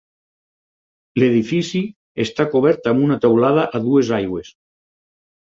L’edifici està cobert amb una teulada a dues aigües.